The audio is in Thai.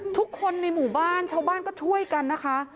ทุกคนในหมู่บ้านชาวบ้านก็ช่วยกันนะคะ